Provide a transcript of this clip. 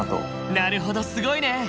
なるほどすごいね！